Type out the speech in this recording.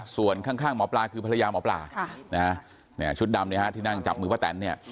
ส่วนข้างหมอปลาคือภรรยาหมอปลาชุดดำที่นั่งจับมือป้าแต่น